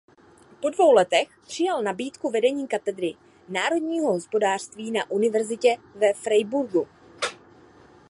Po dvou letech přijal nabídku vedení katedry národního hospodářství na univerzitě ve Freiburgu.